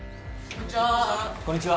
こんにちは